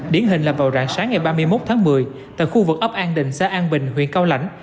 điển hình là vào rạng sáng ngày ba mươi một tháng một mươi tại khu vực ấp an định xã an bình huyện cao lãnh